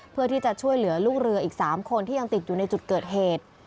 เพื่อที่จะช่วยเหลือลูกเรืออีก๓คนที่ยังติดอยู่ในจุดเกิดเหตุ